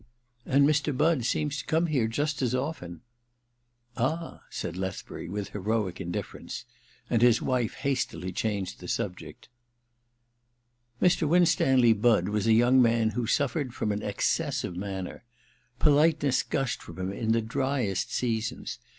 And Mr. Budd seems to come here just as often '* Ah,* said Lethbury with heroic indifference ; and lus Tnfe hastily changed the subject. Mr. Winstanley Budd was a young man who suflered from an excess of manner. Polite ness gushed from him in the driest seasons.